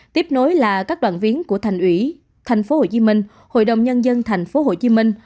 tiếp nối là các đoàn viên của thành ủy thành phố hồ chí minh hội đồng nhân dân thành phố hồ chí minh